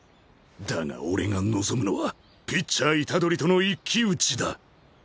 だが俺が望むのはピッチャー・虎杖との一騎打ちだ。